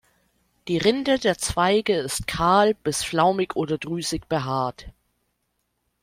Die Rinde der Zweige ist kahl bis flaumig oder drüsig behaart.